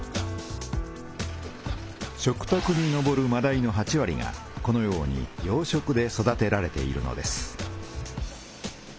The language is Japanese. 食たくにのぼるまだいの８割がこのように養殖で育てられているのです。